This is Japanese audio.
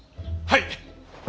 はい。